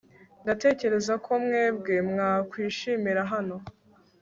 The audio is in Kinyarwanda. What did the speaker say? Ndatekereza ko mwebwe mwakwishimira hano